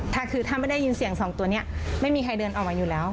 ถ้าคือถ้าไม่ได้ยินเสียงสองตัวนี้ไม่มีใครเดินออกมาอยู่แล้ว